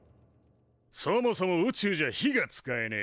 そもそも宇宙じゃ火が使えねえ。